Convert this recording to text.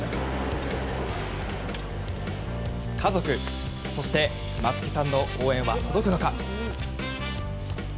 家族、そして松木さんの応援は届くのか。